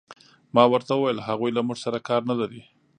ما ورته وویل: هغوی له موږ سره کار نه لري.